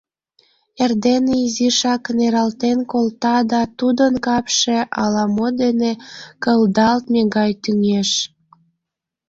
Эрдене изишак нералтен колта да тудын капше ала-мо дене кылдалтме гай тӱҥеш.